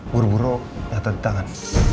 buru buru nyatet di tangan